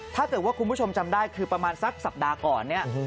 ถ้าเกิดว่าคุณผู้ชมจำได้คือประมาณสักสัปดาห์ก่อนเนี่ย